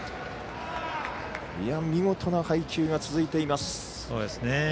見事な配球が続いています。